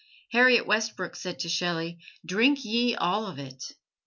Harriet Westbrook said to Shelley, drink ye all of it.